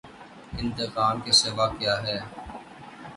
انتقام کے سوا کیا ہے۔